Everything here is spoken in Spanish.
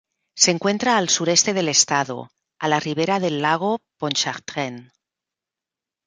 Se encuentra al sureste del estado, a la ribera del lago Pontchartrain.